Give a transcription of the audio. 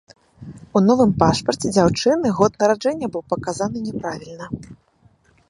У новым пашпарце дзяўчыны год нараджэння быў паказаны няправільна.